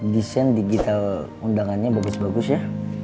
desain digital undangannya bagus bagus ya